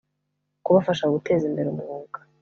kubafasha guteza imbere umwuga